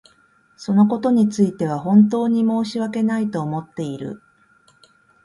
そのことについては本当に申し訳ないと思っている。